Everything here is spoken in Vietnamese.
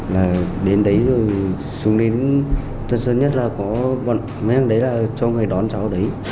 là đến đấy rồi xuống đến thật sớm nhất là có bọn mấy thằng đấy là cho người đón cháu ở đấy